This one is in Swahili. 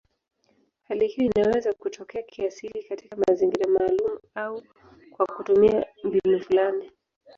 Hali hiyo inaweza kutokea kiasili katika mazingira maalumu au kwa kutumia mbinu fulani.